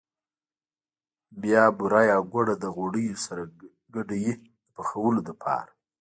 بیا بوره یا ګوړه له غوړیو سره ګډوي د پخولو لپاره.